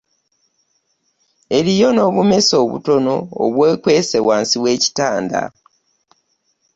Eriyo n'obummese obutono obwekwese wansi w'ekitanda.